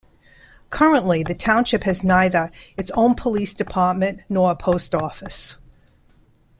Currently, the township has neither its own police department nor a post office.